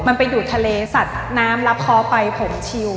มันไปดูทะเลสัดน้ำรับคอไปผมชิล